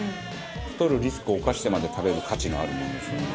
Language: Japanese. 太るリスクを冒してまで食べる価値のあるものですね。